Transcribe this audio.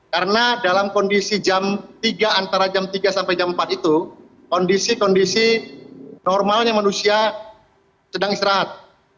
karena dalam kondisi jam tiga antara jam tiga sampai jam empat itu kondisi kondisi normalnya manusia sedang istirahat